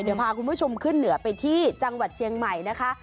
เดี๋ยวพาคุณผู้ชมขึ้นเหนือไปที่จังหวัดเชียงใหม่นะคะ